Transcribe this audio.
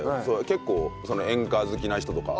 結構演歌好きな人とか。